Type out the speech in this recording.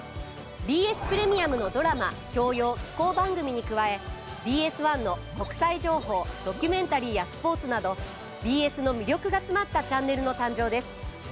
ＢＳプレミアムのドラマ教養紀行番組に加えＢＳ１の国際情報ドキュメンタリーやスポーツなどＢＳの魅力が詰まったチャンネルの誕生です。